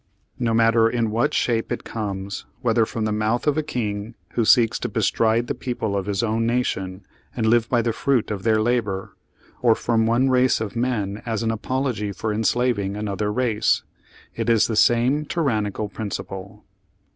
No matter in what shape it comes, v/hether from the mouth of a king who seeks to bestride the people of his own nation and live by the fruit of their labor, or from one race of men as an apology for enslaving another race, it is the same tyrannical prin ciple."